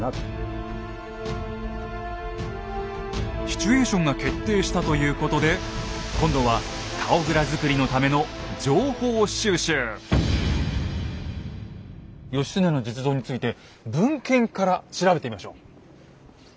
シチュエーションが決定したということで今度は義経の実像について文献から調べてみましょう。